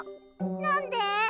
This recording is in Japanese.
なんで？